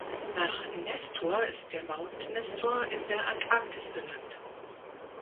Nach "Nestor" ist der Mount Nestor in der Antarktis benannt.